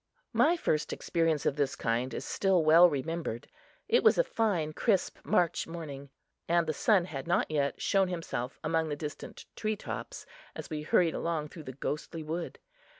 My first experience of this kind is still well remembered. It was a fine crisp March morning, and the sun had not yet shown himself among the distant tree tops as we hurried along through the ghostly wood.